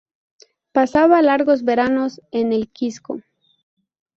Pasaba largos veranos en El Quisco.